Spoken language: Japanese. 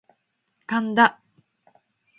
神田